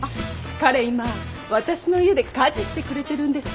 彼今私の家で家事してくれてるんです。